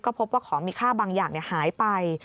พบว่าของมีค่าบางอย่างหายไป